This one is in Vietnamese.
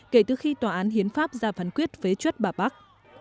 kể từ khi tòa án hiến pháp ra phán quyết phế chuất bà bắc